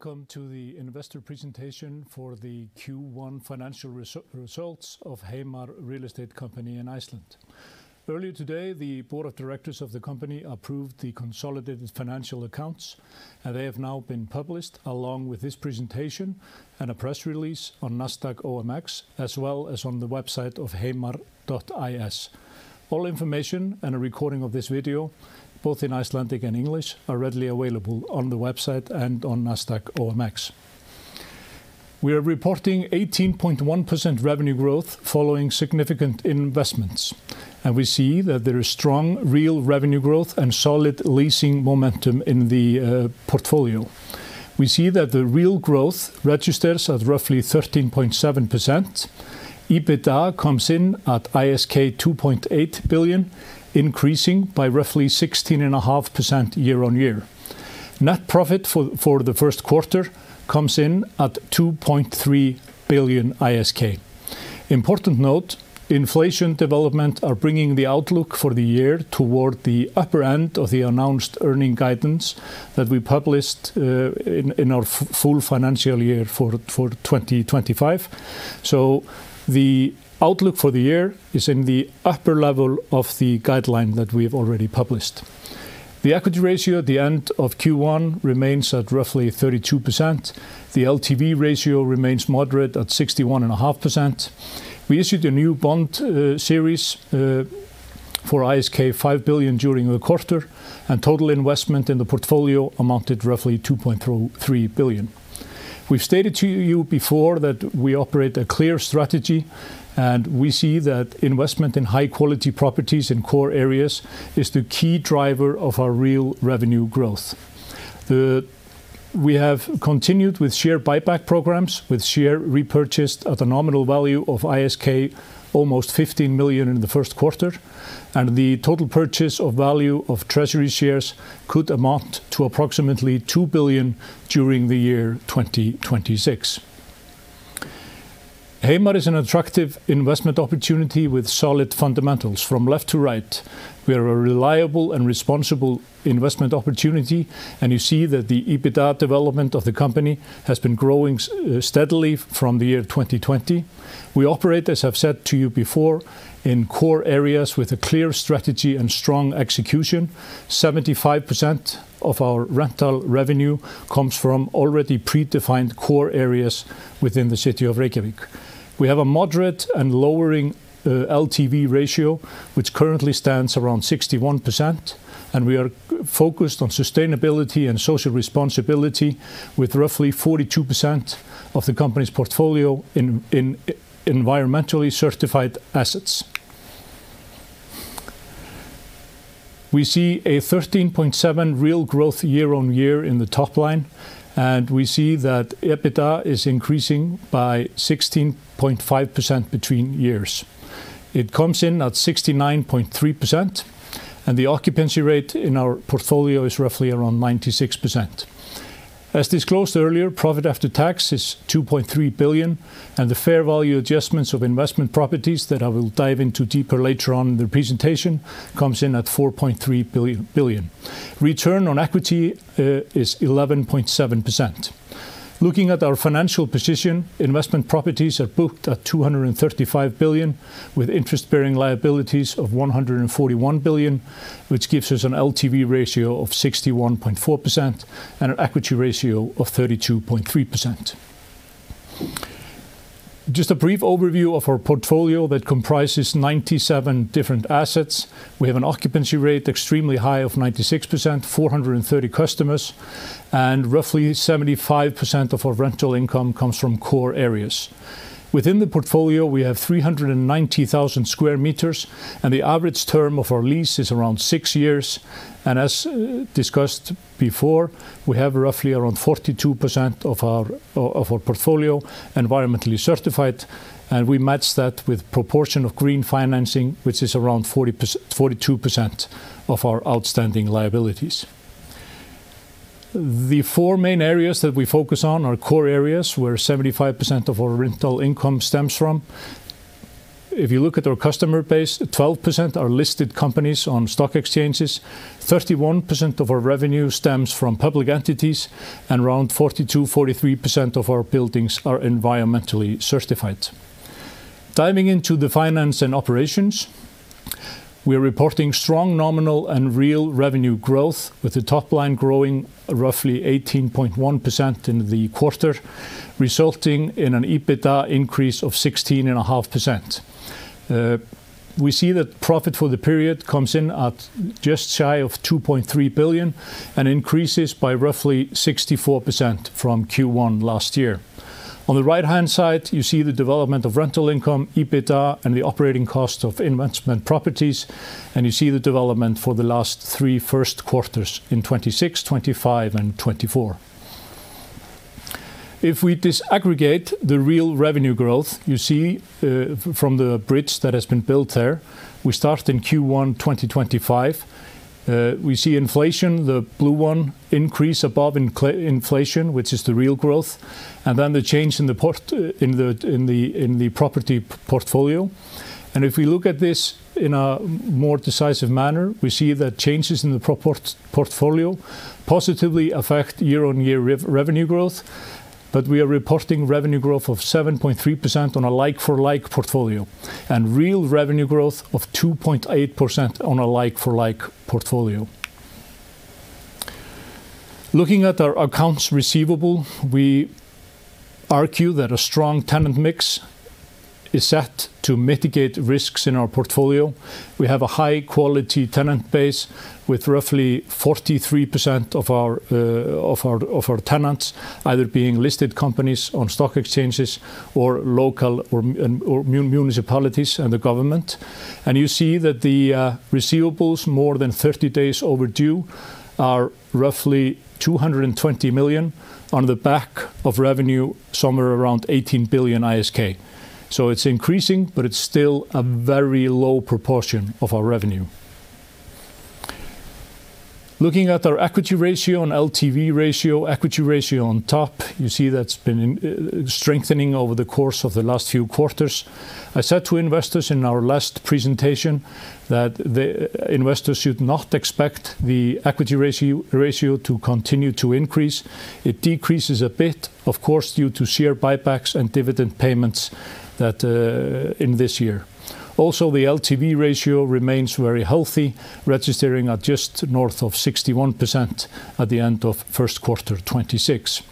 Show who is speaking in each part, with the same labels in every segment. Speaker 1: Welcome to the Investor presentation for the Q1 Financial Results of Heimar Real Estate Company in Iceland. Earlier today, the Board of Directors of the company approved the consolidated financial accounts, and they have now been published along with this presentation and a press release on Nasdaq OMX, as well as on the website of heimar.is. All information and a recording of this video, both in Icelandic and English, are readily available on the website and on Nasdaq OMX. We are reporting 18.1% revenue growth following significant investments, and we see that there is strong real revenue growth and solid leasing momentum in the portfolio. We see that the real growth registers at roughly 13.7%. EBITDA comes in at ISK 2.8 billion, increasing by roughly 16.5% year-on-year. Net profit for the first quarter comes in at 2.3 billion ISK. Important note, inflation development are bringing the outlook for the year toward the upper end of the announced earning guidance that we published in our full financial year for 2025. The outlook for the year is in the upper level of the guideline that we have already published. The equity ratio at the end of Q1 remains at roughly 32%. The LTV ratio remains moderate at 61.5%. We issued a new bond series for ISK 5 billion during the quarter, and total investment in the portfolio amounted roughly 2.3 billion. We've stated to you before that we operate a clear strategy, and we see that investment in high-quality properties in core areas is the key driver of our real revenue growth. We have continued with share buyback programs, with share repurchased at a nominal value of ISK almost 50 million in the first quarter, and the total purchase of value of treasury shares could amount to approximately 2 billion during the year 2026. Heimar is an attractive investment opportunity with solid fundamentals from left to right. We are a reliable and responsible investment opportunity, and you see that the EBITDA development of the company has been growing steadily from the year 2020. We operate, as I've said to you before, in core areas with a clear strategy and strong execution. 75% of our rental revenue comes from already predefined core areas within the city of Reykjavík. We have a moderate and lowering LTV ratio, which currently stands around 61%, and we are focused on sustainability and social responsibility with roughly 42% of the company's portfolio in environmentally certified assets. We see a 13.7% real growth year-on-year in the top line, and we see that EBITDA is increasing by 16.5% between years. It comes in at 69.3%, and the occupancy rate in our portfolio is roughly around 96%. As disclosed earlier, profit after tax is 2.3 billion, and the fair value adjustments of investment properties that I will dive into deeper later on in the presentation comes in at 4.3 billion. Return on equity is 11.7%. Looking at our financial position, investment properties are booked at 235 billion, with interest-bearing liabilities of 141 billion, which gives us an LTV ratio of 61.4% and an equity ratio of 32.3%. Just a brief overview of our portfolio that comprises 97 different assets. We have an occupancy rate extremely high of 96%, 430 customers, and roughly 75% of our rental income comes from core areas. Within the portfolio, we have 390,000 sq m, the average term of our lease is around six years. As discussed before, we have roughly around 42% of our portfolio environmentally certified, and we match that with proportion of green financing, which is around 42% of our outstanding liabilities. The four main areas that we focus on are core areas where 75% of our rental income stems from. If you look at our customer base, 12% are listed companies on stock exchanges. 31% of our revenue stems from public entities, and around 42%-43% of our buildings are environmentally certified. Diving into the finance and operations, we are reporting strong nominal and real revenue growth, with the top line growing roughly 18.1% in the quarter, resulting in an EBITDA increase of 16.5%. We see that profit for the period comes in at just shy of 2.3 billion and increases by roughly 64% from Q1 last year. On the right-hand side, you see the development of rental income, EBITDA, and the operating cost of investment properties. You see the development for the last three first quarters in 2026, 2025, and 2024. If we disaggregate the real revenue growth, you see from the bridge that has been built there, we start in Q1 2025. We see inflation, the blue one, increase above inflation, which is the real growth, and then the change in the property portfolio. If we look at this in a more decisive manner, we see that changes in the portfolio positively affect year-on-year revenue growth. We are reporting revenue growth of 7.3% on a like-for-like portfolio, and real revenue growth of 2.8% on a like-for-like portfolio. Looking at our accounts receivable, we argue that a strong tenant mix is set to mitigate risks in our portfolio. We have a high quality tenant base with roughly 43% of our tenants either being listed companies on stock exchanges or local or municipalities and the government. You see that the receivables more than 30 days overdue are roughly 220 million on the back of revenue somewhere around 18 billion ISK. It's increasing, but it's still a very low proportion of our revenue. Looking at our equity ratio and LTV ratio, equity ratio on top, you see that's been strengthening over the course of the last few quarters. I said to investors in our last presentation that the investors should not expect the equity ratio to continue to increase. It decreases a bit, of course, due to share buybacks and dividend payments that, in this year. Also, the LTV ratio remains very healthy, registering at just north of 61% at the end of Q1 2026.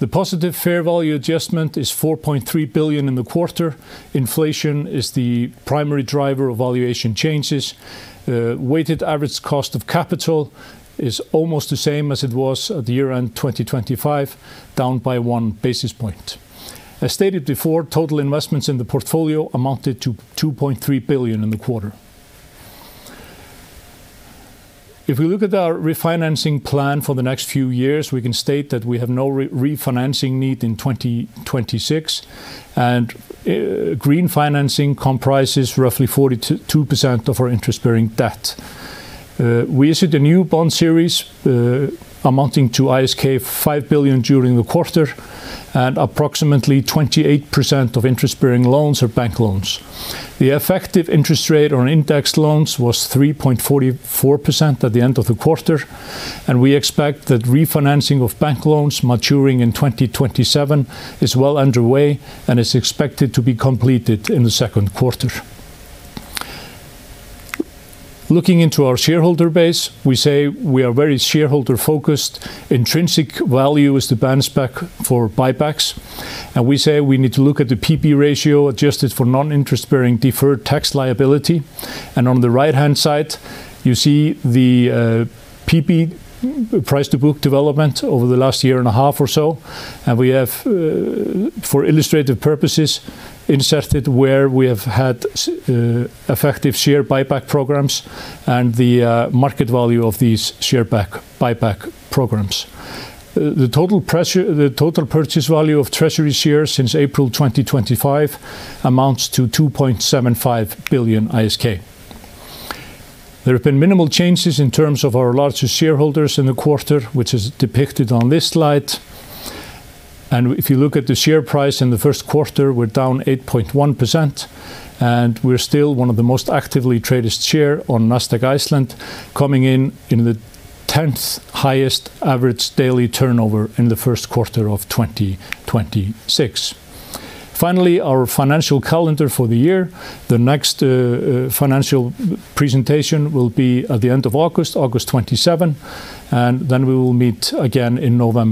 Speaker 1: The positive fair value adjustment is 4.3 billion in the quarter. Inflation is the primary driver of valuation changes. Weighted average cost of capital is almost the same as it was at the year-end 2025, down by 1 basis point. As stated before, total investments in the portfolio amounted to 2.3 billion in the quarter. If we look at our refinancing plan for the next few years, we can state that we have no refinancing need in 2026, and green financing comprises roughly 42% of our interest-bearing debt. We issued a new bond series, amounting to ISK 5 billion during the quarter, and approximately 28% of interest-bearing loans are bank loans. The effective interest rate on indexed loans was 3.44% at the end of the quarter, and we expect that refinancing of bank loans maturing in 2027 is well underway and is expected to be completed in the second quarter. Looking into our shareholder base, we say we are very shareholder-focused. Intrinsic value is the benchmark for buybacks, and we say we need to look at the P/B ratio adjusted for non-interest-bearing deferred tax liability. On the right-hand side, you see the P/B, price-to-book development over the last year and a half or so. We have, for illustrative purposes, inserted where we have had effective share buyback programs and the market value of these buyback programs. The total purchase value of treasury shares since April 2025 amounts to 2.75 billion ISK. There have been minimal changes in terms of our largest shareholders in the quarter, which is depicted on this slide. If you look at the share price in the first quarter, we're down 8.1%, and we're still one of the most actively traded share on Nasdaq Iceland, coming in in the tenth highest average daily turnover in the first quarter of 2026. Finally, our financial calendar for the year. The next financial presentation will be at the end of August 27, and then we will meet again in November.